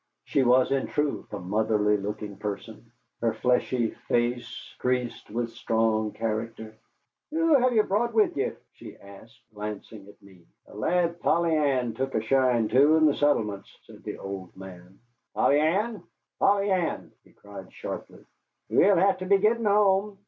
She was, in truth, a motherly looking person, her fleshy face creased with strong character. "Who hev ye brought with ye?" she asked, glancing at me. "A lad Polly Ann took a shine to in the settlements," said the old man. "Polly Ann! Polly Ann!" he cried sharply, "we'll hev to be gittin' home."